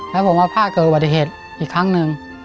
แล้วผมมาภาครอบคราวอุบัติเหตุอีกครั้งนึง